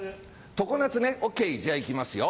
常夏ねＯＫじゃ行きますよ